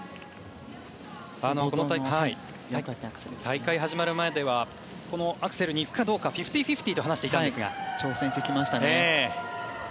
大会始まる前にはアクセルに行くかどうかはフィフティーフィフティーと話していたんですが挑戦してきましたね。